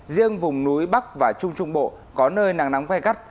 riêng vùng núi bắc và trung trung bộ có nơi nắng nóng gai gắt